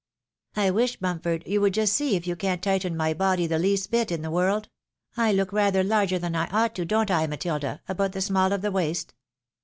"I wish, Bumpford, you would just see if you can't tighten my body the least bit in the world ; I look rather larger than. I ought to do, don't I, Matilda, about the small of the waist